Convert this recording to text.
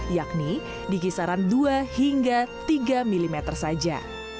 yakni di kisaran dua hingga tiga mm saja